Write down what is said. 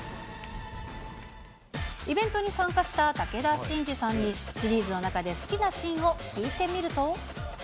イベントに参加した武田真治さんに、シリーズの中で好きなシーンを聞いてみると。